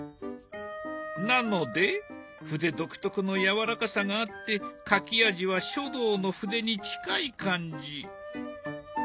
なので筆独特のやわらかさがあって書き味は書道の筆に近い感じ。